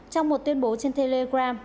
trong một tuyên bố trên telegram